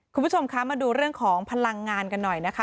คุณผู้ชมคะมาดูเรื่องของพลังงานกันหน่อยนะคะ